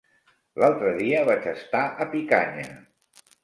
L'altre dia vaig estar a Picanya.